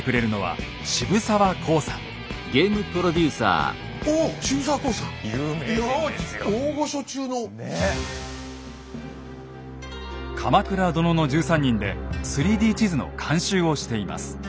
「鎌倉殿の１３人」で３Ｄ地図の監修をしています。